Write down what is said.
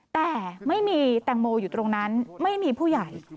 แต่ไม่มีแตงโมอยู่ตรงนั้นไม่มีผู้ใหญ่